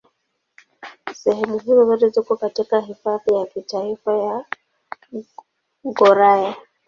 Sehemu hizo zote ziko katika Hifadhi ya Kitaifa ya Gouraya.